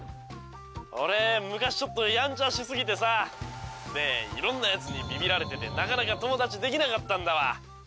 「俺昔ちょっとやんちゃし過ぎてさあでいろんなやつにビビられててなかなか友達できなかったんだわ」